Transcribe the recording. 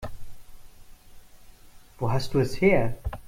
Wo hast du es her?